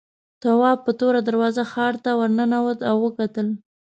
تواب په توره دروازه ښار ته ورننوت او وکتل.